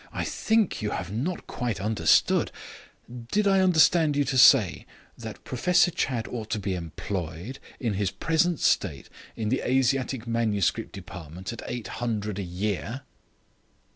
"I think I have not quite understood you. Did I understand you to say that Professor Chadd ought to be employed, in his present state, in the Asiatic manuscript department at eight hundred a year?"